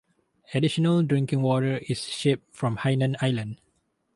Additional drinking water is shipped from Hainan Island.